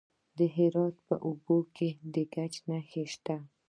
د هرات په اوبې کې د ګچ نښې شته.